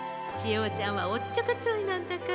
おちゃんはおっちょこちょいなんだから。